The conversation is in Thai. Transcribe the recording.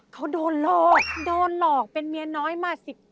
เขาโดนหลอกโดนหลอกเป็นเมียน้อยมา๑๐กว่า